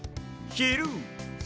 「ひる、」。